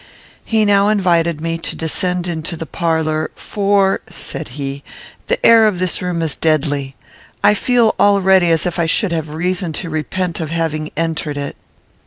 He now invited me to descend into the parlour; "for," said he, "the air of this room is deadly. I feel already as if I should have reason to repent of having entered it."